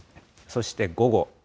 そして午後。